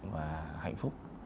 và hạnh phúc